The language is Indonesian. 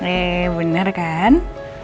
eh bener kan